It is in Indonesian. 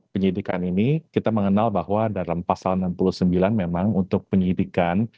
penyidikan ini kita mengenal bahwa dalam pasal enam puluh sembilan memang untuk penyidikan